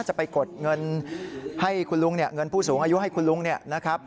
จะไปกดเงินผู้สูงอายุให้คุณลุงเนี่ยนะครับ